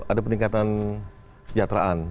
ada peningkatan sejahteraan